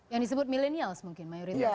yang disebut millenials mungkin mayoritas